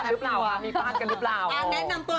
เดี๋ยวนะคะวันนี้จะมาปกติใครกันหรือเปล่า